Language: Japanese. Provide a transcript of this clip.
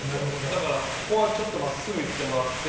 だからここはちょっと真っすぐ行ってもらって。